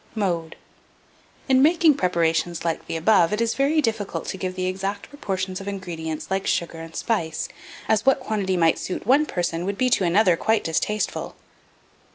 Mode. In making preparations like the above, it is very difficult to give the exact proportions of ingredients like sugar and spice, as what quantity might suit one person would be to another quite distasteful.